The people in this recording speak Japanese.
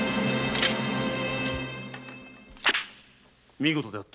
見事であった。